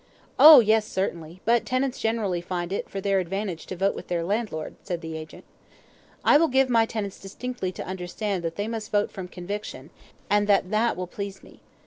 "Oh, yes, certainly; but tenants generally find it for their advantage to vote with their landlord," said the agent. "I will give my tenants distinctly to understand that they must vote from conviction, and that that will please me.